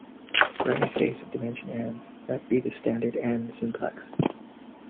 For any face of dimension "n", let be the standard "n"-simplex.